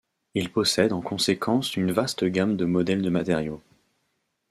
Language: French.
Il possède en conséquence une vaste gamme de modèles de matériau.